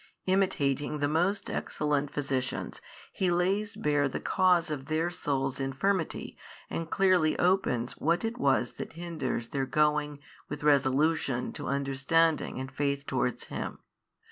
Imitating the most excellent physicians, He lays bare the cause of their soul's infirmity and clearly opens what it was that hinders their going with resolution to understanding and faith towards Him.